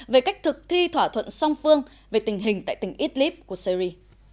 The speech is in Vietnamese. về cách thực thi thỏa thuận song phương về tình hình tại tỉnh idlib của syri